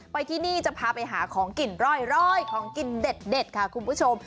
ที่นี่จะพาไปหาของกินร่อยของกินเด็ดค่ะคุณผู้ชม